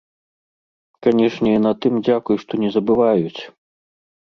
Канешне, і на тым дзякуй, што не забываюць.